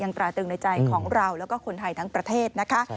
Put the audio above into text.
ตราตึงในใจของเราแล้วก็คนไทยทั้งประเทศนะคะ